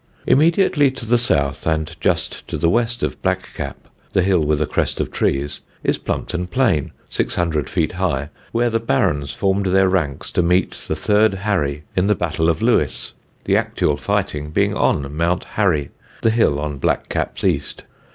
Immediately to the south, and just to the west of Blackcap, the hill with a crest of trees, is Plumpton Plain, six hundred feet high, where the Barons formed their ranks to meet the third Harry in the Battle of Lewes, the actual fighting being on Mount Harry, the hill on Blackcap's east.